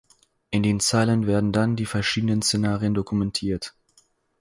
In den Zeilen werden dann die verschiedenen Szenarien dokumentiert.